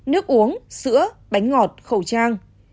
nước uống sữa bánh ngọt khẩu trang